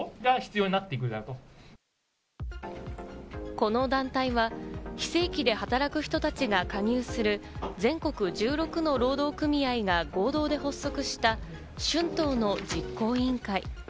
この団体は非正規で働く人たちが加入する、全国１６の労働組合が暴動で発足した春闘の実行委員会。